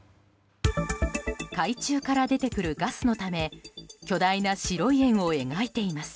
海中から出てくるガスのため巨大な白い円を描いています。